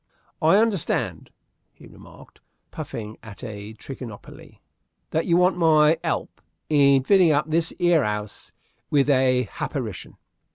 "I hunderstand," he remarked, puffing at a trichinopoly, "that you want my 'elp in fitting up this 'ere 'ouse with a happarition."